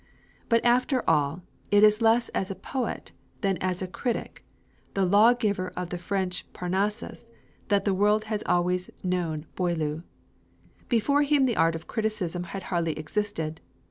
But after all, it is less as a poet than as a critic, "the lawgiver of the French Parnassus," that the world has always known Boileau, Before him the art of criticism had hardly existed.